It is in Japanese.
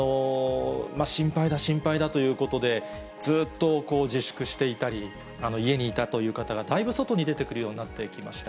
心配だ、心配だということで、ずっと自粛していたり、家にいたという方が、だいぶ外に出てくるようになってきました。